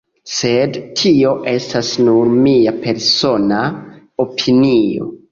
Sed tio estas nur mia persona opinio.